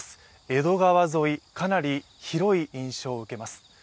江戸川沿い、かなり広い印象を受けます。